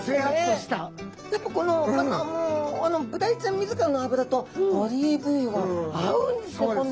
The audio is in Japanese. やっぱこの何かもうブダイちゃん自らの脂とオリーブ油が合うんですね